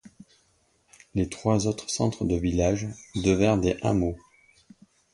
Les trois autres centres de villages devinrent des hameaux.